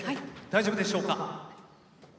大丈夫でしょうか。